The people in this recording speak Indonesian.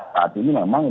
saat ini memang